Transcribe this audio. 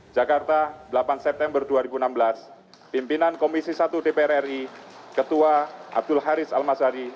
jakarta delapan september dua ribu enam belas pimpinan komisi satu dpr ri ketua abdul haris almasari